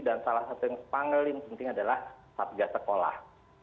dan salah satu yang paling penting adalah satgas sekolah